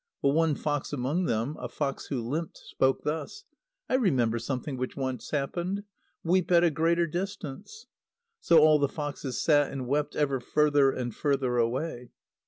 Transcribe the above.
But one fox among them, a fox who limped, spoke thus: "I remember something which once happened. Weep at a greater distance!" So all the foxes sat and wept ever further and further away.